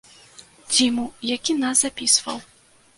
Дзіму, які нас запісваў.